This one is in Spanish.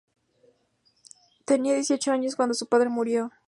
Tenía dieciocho años cuando su padre murió.